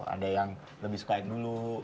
ada yang lebih skype dulu